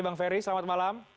bang ferry selamat malam